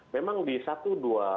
memang di satu dua